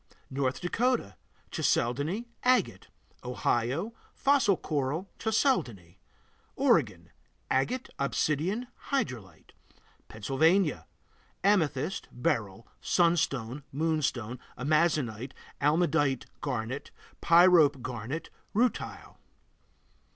North Dakota Chalcedony, agate. Ohio Fossil coral, chalcedony. Oregon Agate, obsidian, hydrolite. Pennsylvania Amethyst, beryl, sunstone, moonstone, amazonite, almandite garnet, pyrope garnet, rutile.